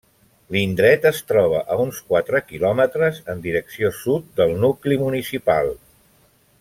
L'indret es troba a uns quatre quilòmetres en direcció sud del nucli municipal.